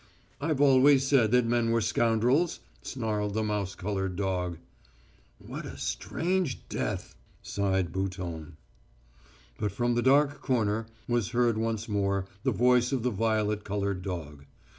"I've always said that men were scoundrels," snarled the mouse coloured dog. "What a strange death!" sighed Bouton. But from the dark corner was heard once more the voice of the violet coloured dog.